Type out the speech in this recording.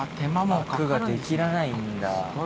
アクが出きらないんだ。